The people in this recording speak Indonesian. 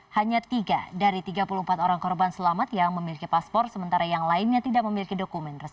hanya tiga dari tiga puluh empat orang korban selamat yang memiliki paspor sementara yang lainnya tidak memiliki dokumen resmi